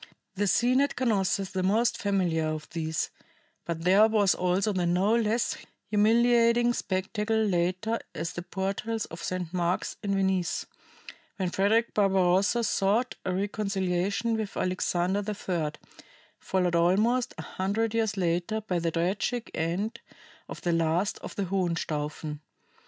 The scene at Canossa is the most familiar of these, but there was also the no less humiliating spectacle later at the portals of St. Mark's in Venice, when Frederick Barbarossa sought a reconciliation with Alexander III, followed almost a hundred years later by the tragic end of the last of the Hohenstaufen.